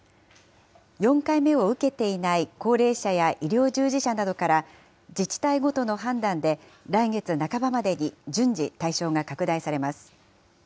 ４回目を受けていない高齢者や医療従事者などから、自治体ごとの判断で、来月半ばまでに順次、対象が拡大されます。